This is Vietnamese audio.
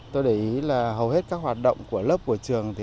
tôi để ý là hầu hết các hoạt động của lớp của trường